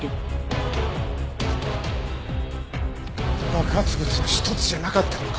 爆発物は１つじゃなかったのか。